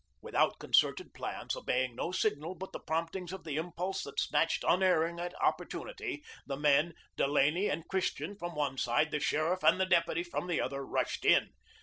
Without concerted plans, obeying no signal but the promptings of the impulse that snatched, unerring, at opportunity the men, Delaney and Christian from one side, the sheriff and the deputy from the other, rushed in.